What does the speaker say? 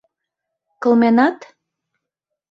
Кылменат?